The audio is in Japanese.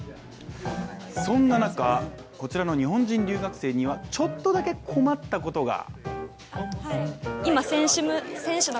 そんな中、こちらの日本人留学生にはちょっとだけ困ったことが。